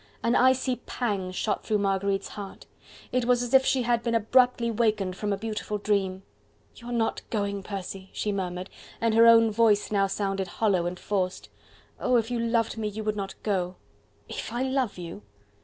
An icy pang shot through Marguerite's heart. It was as if she had been abruptly wakened from a beautiful dream. "You are not going, Percy!" she murmured, and her own voice now sounded hollow and forced. "Oh! if you loved me you would not go!" "If I love you!"